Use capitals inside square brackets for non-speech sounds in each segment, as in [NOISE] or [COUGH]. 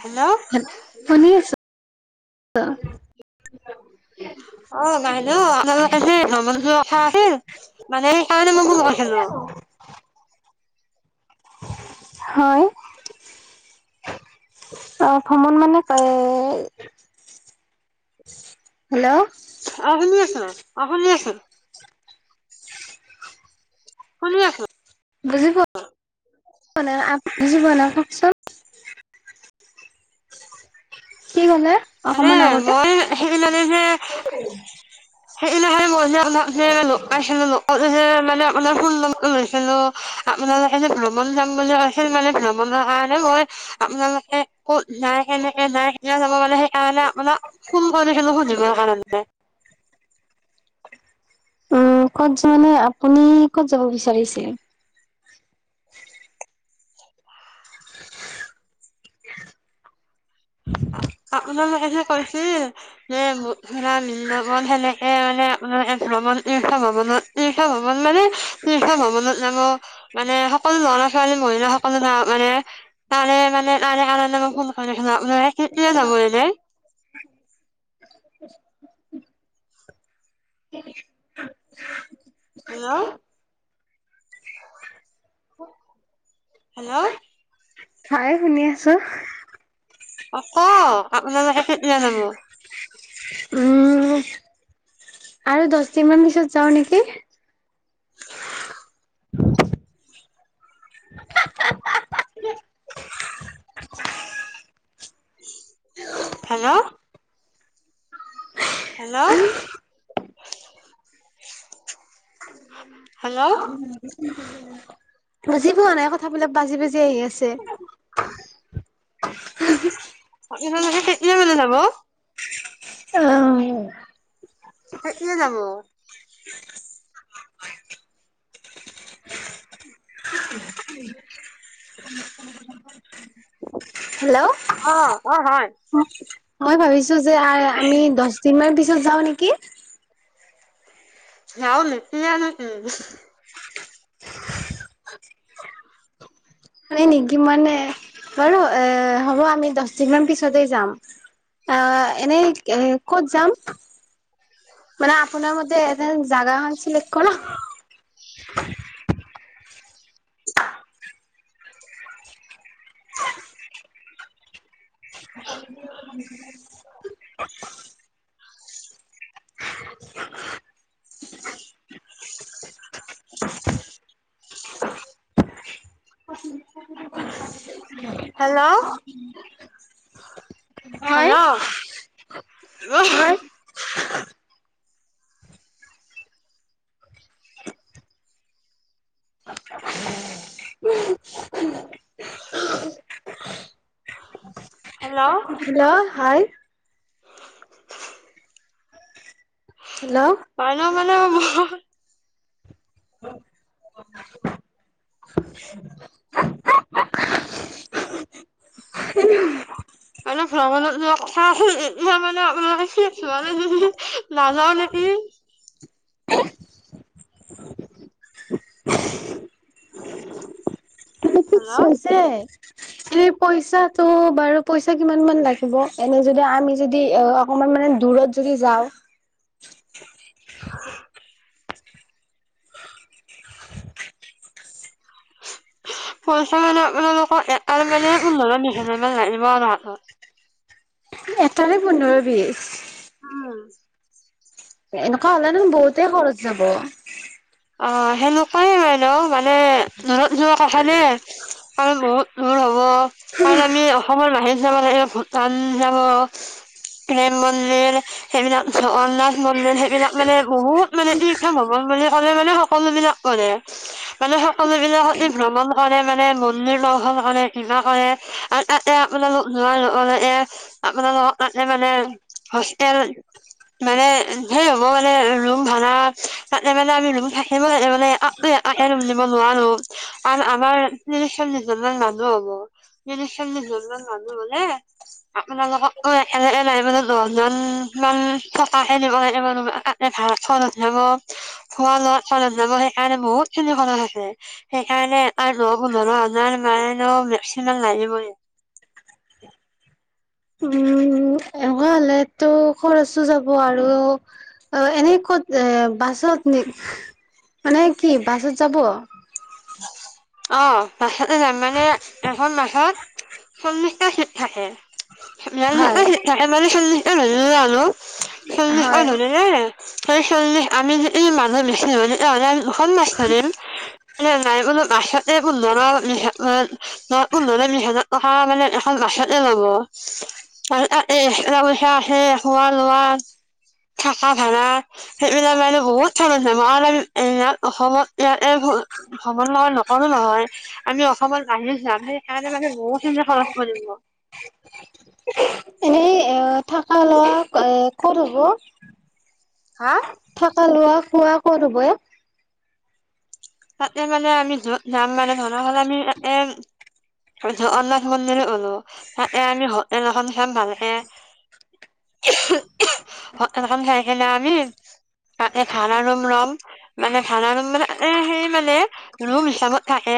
Hello. হেল শুনি আছো। উম। অ বাইদেউ আপোনালোকে যে নামত যোৱা কথা আছিল। মানে সেইকাৰণে মই কোনো নেখেলো। হয় অ ভ্ৰমণ মানে এই। হেল্ল'। অ শুনি আছো অ শুনি আছো। শুনি আছো। বুজি পো ৱা নাই বুজি পোৱা নাই। কওকচোন? কি কলে মানে অকমান আগতে? মই সেইদিনাখনি যে [UNINTELLIGIBLE] লগ পাইছিলোঁ, লগ পাওঁতে যে কলে [UNINTELLIGIBLE] লৈছিলো। আপোনালোকে যে ভ্ৰমণ যাম বুলি কৈছিল মানে ভ্ৰমণৰ কাৰণে মই- আপোনালোকে কত যায় কেনেকে যায়- কেতিয়া যাব মানে সেই কাৰণে আপোনাক ফোন কৰিছিলো সুধিলোঁ কাৰণে। উম ক'ত যায় মানে আপুনি ক'ত যাব বিচাৰিচিলে? আপোনালোকে যে কৈছিল যে, ম- সেতে লগত সেনেকে মানে আপোনালোকে ভ্ৰমণ তীৰ্থ ভ্ৰনত তীৰ্থ ভ্ৰমন মানে- তীৰ্থ ভ্ৰমণত যাব। মানে সকলো লৰা ছোৱালী মহিলা সকলো ধৰণৰ মানে- তাৰে মানে তাৰে কাৰণে মোৰ কোন [UNINTELLIGIBLE] [UNINTELLIGIBLE] হেল্ল' হেল্ল' হয় শুনি আছো। অ ক আপোনালোকে- কেতিয়া যাব [UNINTELLIGIBLE] উম, আৰু দহ দিন মান পিছত যাও নেকি? [UNINTELLIGIBLE] [UNINTELLIGIBLE] হেল্ল' হেল্ল' হেল্ল' বুজি পোৱা নাই কথাবিলাক বাজি বাজি আহি আছে। আপোনালোকে কেতিয়া মানে যাব? অঁ কেতিয়া যাব। [UNINTELLIGIBLE] হেল্ল' অ অ হয়। মই ভাবিছো যে, আই আমি দহ দিন মান পিছত যাও নেকি? চাউল নিতিয়াও নেকি? [UNINTELLIGIBLE] হয় নেকি মানে? বাৰু এ হ'ব আমি দহ দিন মান পিছতে যাম। আহ এনেই ক'ত যাম? মানে আপোনাৰ মতে এজন জাগা এখন চিলেক কৰ। [UNINTELLIGIBLE] [UNINTELLIGIBLE] হেল্ল' [UNINTELLIGIBLE] হয় হেল্ল' হয় হেল্ল' হেল্ল' হয়। হেল্ল' পাই ন মানে মোই। আমি ভ্ৰমণত যোৱা কথা আছিল। এতিয়া মানে আপোনাৰলোকে সেই মানে যদি নাযাও নেকি? অঁ চেছে। সেই পইচাটো বাৰু পইচা কিমান মান লাগিব? এনে যদি আমি যদি অ- অকমান মানে, দূৰত যদি যাওঁ [UNINTELLIGIBLE] পইচা মানে, আপোনালোকৰ এটাৰ মানে, [UNINTELLIGIBLE] লাগিব আৰু হাতত। নে পোন্ধৰ-বিশ? উম! এনেকুৱা হ'লেনো বহুতে খৰচ যাব। অ'! সেনেকুৱাই মানে অ'! মানে, দূৰত যোৱা কথা [UNINTELLIGIBLE] আৰু বহুত দূৰ হ'ব। কাৰণ আমি, অসমৰ বাহিৰত যাব লাগিব, ভূটান যাব। প্ৰেম মন্দিৰ, সেইবিলাক, জগন্নাথ মন্দিৰ। সেইবিলাক মানে, বহুত মানে, তীৰ্থ ভৱন মানে। হ'লে মানে, সকলোবিলাক কৰে। মানে, সকলোবিলাকহঁতি ভ্ৰমণ কৰে মানে। মন্দিৰ দৰ্শন কৰে, কিবা কৰে। আৰু তাতে আপোনালোক, যোৱাৰ লগে-লগে, আপোনালোকক তাতে মানে, হোষ্টেল মানে, হে হ'ব মানে, ৰুম ভাড়া। তাতে মানে, আমি থাকিব মানে। [UNINTELLIGIBLE] ৰুম দিব নোৱাৰোঁ। আৰু আমাৰ ত্ৰিশ-চল্লিছজনমান মানুহ হ'ব, ত্ৰিশ-চল্লিশ জনমান মানুহ হ'লে, আপোনালোকক [UNINTELLIGIBLE] দহজন থকাহে দিব পাৰিব [UNINTELLIGIBLE] এ, ভাত খোৱাত যাব। খোৱা-লোৱাৰ চাউলত যাব, সেইকাৰণে বহুত খিনি খৰচ আছে। সেইকাৰণে আৰু পোন্ধৰ হাজাৰ মানে, মেক্সিমাম লাগিবই। উম এনেকুৱা হ'লেতো খৰচো যাব আৰু। অ'! এনে ক'ত, এ বাছত নি মানে কি, বাছত যাব? অ'! বাছতে যাম মানে। এখন বাছত চল্লিশটা চিট থাকে। হয় বিয়াল্লিশটা চিট থাকে। মানে, চল্লিশটা [UNINTELLIGIBLE] চল্লিশটা হয় ধৰিলে [UNINTELLIGIBLE] [UNINTELLIGIBLE] আমি, যদি মানুহ বেছি হ'লে, আমি দুখন বাছ ধৰিম। [UNINTELLIGIBLE] [UNINTELLIGIBLE] মানে, এখন বাছতে যাব। তাৰপিছত এই, খোৱা পইচা আছে, খোৱা-লোৱা থাকা ভাড়া। সেইবিলাক মানে, বহুত খৰচ হয়। [UNINTELLIGIBLE] সঙৰ লগত নকৰোঁ নহয়। আমি অসমত বাহিৰত যাম যে, সেইকাৰণে মানে, বহুতখিনিতে খৰচ পৰিব। এনেই, এ, থকা-লোৱা এ, ক'ত হ'ব? হা! থাকা, লোৱা-খোৱা ক'ত হ'ব ইয়াত? তাতে মানে, আমি য'ত যাম মানে, ধৰাহ'লে আমি তাতে, জগন্নাথ মন্দিৰো গলোঁ। তাতে আমি, হোটেল এখন চাম ভালকে। [UNINTELLIGIBLE] হোটেলখন চাইকেনে আমি, তাতে, ভাড়া ৰুম ল'ম। মানে, ভাড়া ৰুম মানে, এ, সেৰি মানে, ৰুম হিচাপত থাকে,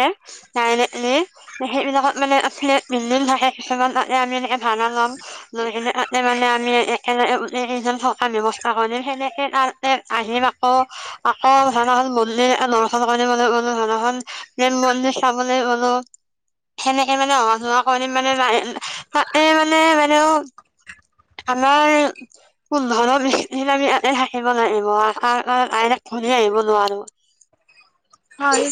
চাই ল'লে। সেইবিলাকত মানে, আঁ ফ্লেট বিল্ডিং থাকে। কিছুমান মানে, আমি এনেকে, ভাড়া ল'ম। লৈ কেনে, তাতে মানে আমি, একলগে [UNINTELLIGIBLE] থকা আমি ব্যবস্থা কৰিম। সেনেকে আহিম আকৌ, আকৌ ধৰাহ'ল, [UNINTELLIGIBLE] [UNINTELLIGIBLE] গ'লো। [UNINTELLIGIBLE] প্ৰেম মন্দিৰ চাবলৈ গ'লো। সেনেকে মানে অহা যোৱা কৰি মানে নাই তাতে মানে আৰু আমাৰ পোন্ধৰ বিচ দিন আমি তাতে থাকিব লাগিব ডাইৰেক্ট গুচি আহিব নোৱাৰো। হয়।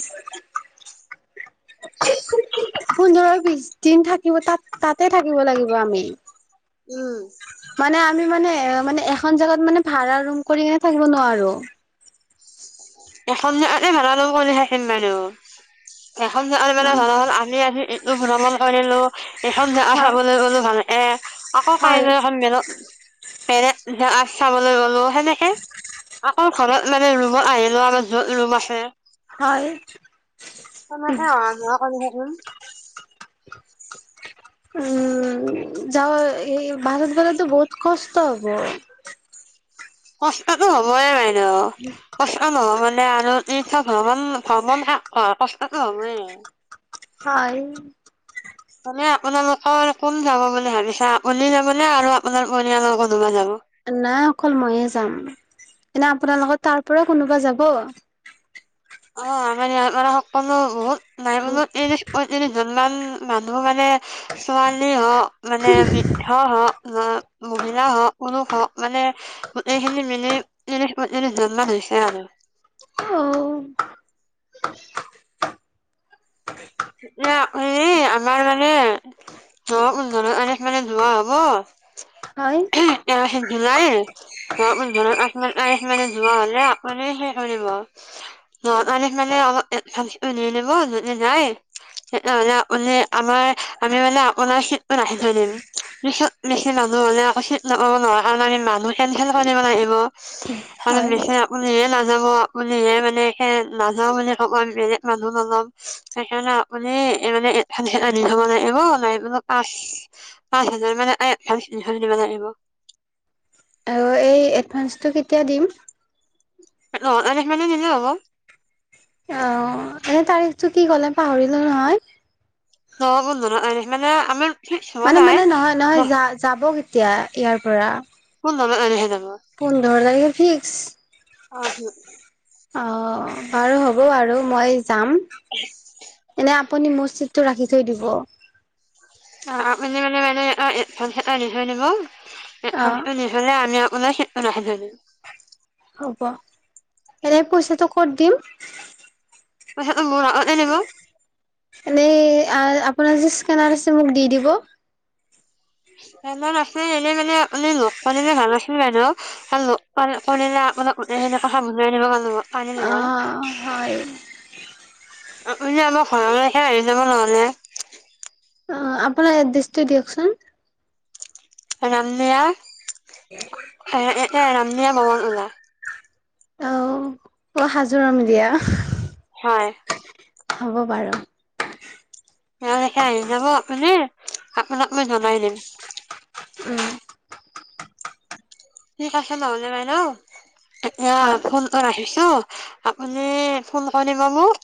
পোন্ধৰৰ বিছ দিন থাকিব তাত তাতে থাকিব লাগিব আমি। উম। মানে আমি মানে মানে এখন জাগাত মানে ভাড়া ৰুম কৰি কিনে থাকিব নোৱাৰো। এখন যে ভাড়া কলে থাকিম মানুহ এখন জ আৰু মানে ধৰ হ'ল আমি আজি এইটো ভ্ৰমণ কৰিলোঁ। এইখন জো হয়, চাবলৈ গ'লো ভাল এ আকৌ হয়, কাইলৈ এখন মেলক চাবলৈ গলো সেনেকে আকৌ ঘৰত মানে ৰুমত আহিলো আমাৰ যত ৰুম আছে। হয়। তেনেকে অহা যোৱা কৰি থাকিম। উম যাও এই বাহিৰত গলেটো বহুত কষ্ট হব। কষ্টটো হবয়ে বাইদেউ। কষ্ট নহলে আৰু ই ভ্ৰমণ ভ্ৰমণ কষ্টটো হবই। হয়। মানে আপোনালোকৰ কোন যাব বুলি ভাবিছা আপনি যাবনে আৰু আপোনাৰ পৰিয়ালৰ কোনোবা যাব। নাই অকল মইে যাম এনে আপোনাৰ লগত তাৰ পৰা কোনোবা যাব। অ আমাৰ ইয়াৰপৰা সকলো বহুত নাই কমেও ত্ৰিশ পইত্ৰিশজন মান মানুহ মানে ছোৱালী হওক মানে মিত হওক বা মহিলা হওক পুৰুষ হওক মানে গোটেইখিনি মিলি ত্ৰিশ জন মান হৈছে আৰু অ', এ হেই আমাৰ মানে অ জ আ মানে যোৱা হব হয়। এৰাশী জুলাইৰ প ধ মানে যোৱা হলে আপে সেই বোৰ ন মানে মানে নহব যদি নাই। সেইহলে আপনি আমাৰ আমি মানে আপোনাৰ নাহি ধৰিম। বেছি মানুহ হ'লে আকৌ ছিট নাপাব নহয় কাৰণে আমি মানুহ কেঞ্চেল কৰিব লাগিব। উম। অ নিশ্চয়। উহে নাযাব আহে মানে সে নাযাও বুলি ক'ব আমি বেলেগ মানুহ নল'ম সেইকাৰণে মানে এ মানে এান আনি থব নাই এইব নাই মলপ আঠ পাঁচ হাজাৰ মানে তিনিশ দিব লাগিব। আৰু এই এডভাঞ্চটো কেতিয়া দিম? অ আস মানে নিলে হ'ব। অ এনে তাৰিখটো কি ক'লে পাহৰিলো নহয়? দহ পোন্ধৰ তাৰিখ মানে আমি মানে মানে নহয় নহয় যা যাব কেতিয়া ইয়াৰ পৰা পোন্ধৰ তাৰিখ মানে যাব পোন্ধৰ তাৰিখে ফিক্স। আহ, অ বাৰু হ'ব আৰু মই যাম। আপুনি মোৰ ছিটটো ৰাখি থৈ দিব [INAUDIBLE] অ' [INAUDIBLE] হ'ব এনে পইচাটো ক'ত দিম [INAUDIBLE] এনেই আপোনাৰ যি স্কেনাৰ আছে মোক দি দিব [INAUDIBLE] [INAUDIBLE] অ' হয় [INAUDIBLE] [INAUDIBLE] অ আপোনি এড্ৰেছটো দিয়কচোন। ৰামদিয়া [UNINTELLIGIBLE] অ' হাজো ৰামদিয়া হয় হ'ব বাৰু ইয়ালকে আহি যাব আপুনি। আপোনাক মই জনাই দিম। উম ঠিক আছে নহলে বাইদ' এতিয়া হয়। ফোন টো ৰাখিছোঁ আপুনি ফোন কৰিব মোক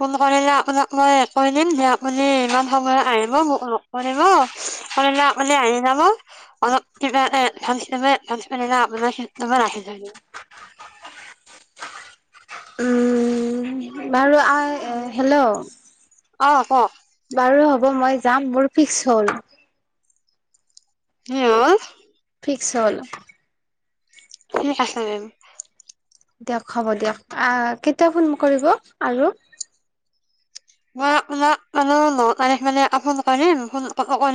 ফোন কৰিলে আপোনাক মই কৈ দিম যে আপুনি ইমান সময় আহিব মোক লগ কৰিব। কৰিলে আপুনি আহি যাব। অলপ কিবা এটা এডভাঞ্চ দিব তেতিয়া আপোনাৰ ছিটটো মই ৰাখি থৈ দিম। উম বাৰু আ হেল্ল' অ কওক বাৰু হ'ব মই যাম। মোৰ ফিক্স হ'ল। কি হ'ল ফিক্স হ'ল ঠিক আছে মেম দিয়ক হ'ব দিয়ক। আ কেতিয়া ফোন কৰিব আৰু? মই আপোনাক মানে ন তাৰিখ মানে এটা ফোন কৰিম [UNINTELLIGIBLE] [INAUDIBLE] [INAUDIBLE] এবাৰ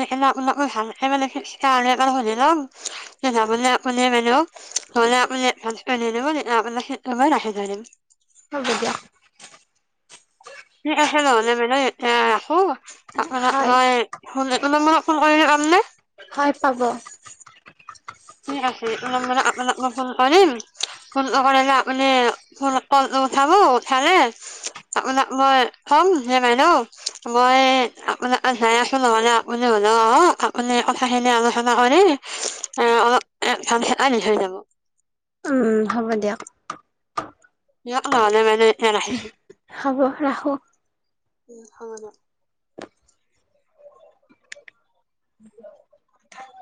ৰাখি থৈ দিম হ'ব দিয়ক ঠিক আছে নহ'লে বাইদেউ এতিয়া ৰাখো। আপোনাক হয় মই ফোন এইটো নম্বৰত ফোন কৰিলে পাম নে হয় পাব ঠিক আছে এইটো নম্বৰত আপোনাক মই ফোন কৰিম ফোনটো কৰিলে আপুনি ফোন কল উঠাব উঠালে আপোনাক মই কম যে বাইদেউ মই আপোনাৰ তাত যায় আছো নহলে আপুনি ওলাই আহক, আপুনি কথাখিনি আলোচনা কৰি [INAUDIBLE] উম হ'ব দিয়ক দিয়ক নহলে বাইদেউ এতিয়া ৰাখিছোঁ হ'ব ৰাখো উম হয় ন।